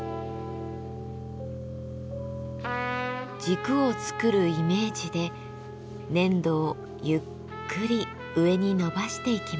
軸を作るイメージで粘土をゆっくり上に伸ばしていきます。